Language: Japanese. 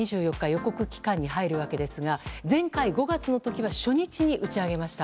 予告期間に入るわけですが前回、５月の時は初日に打ち上げました。